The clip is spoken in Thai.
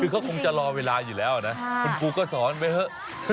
คือเขาคงจะรอเวลาอยู่แล้วนะคุณครูก็สอนไปเถอะ